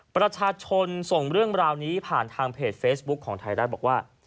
ประชาชนส่งเรื่องราวนี้ผ่านทางเพจเฟซบุ๊คของไทยรัฐบอกว่า